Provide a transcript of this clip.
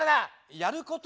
やること？